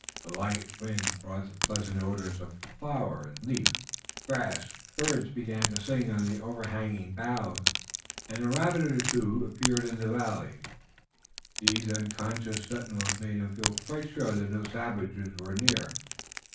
The light wind brought the pleasant odors of flower and leaf and grass. Birds began to sing on the overhanging boughs, and a rabbit or two appeared in the valley. These unconscious sentinels made him feel quite sure that no savages were near.